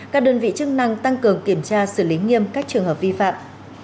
các đơn vị chức năng tăng cường kiểm tra xử lý nghiêm các trường hợp vi phạm